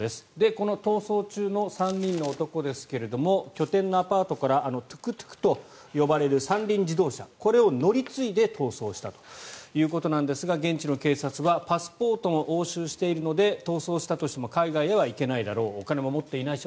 この逃走中の３人の男ですが拠点のアパートからトゥクトゥクと呼ばれる三輪自動車、これを乗り継いで逃走したということなんですが現地の警察はパスポートを押収しているので逃走したとしても海外へは行けないだろうお金も持っていないし